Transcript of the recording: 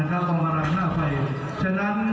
ถ้ากระเทศบรรมนี่คนนั้นจะไม่ได้ไปสวรรค์นะครับ